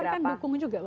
golkar kan dukung juga